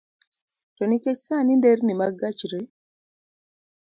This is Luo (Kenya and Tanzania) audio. To nikech sani nderni mag gach re